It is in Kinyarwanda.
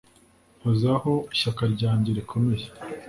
Mpozaho ishyaka ryanjye rikomeye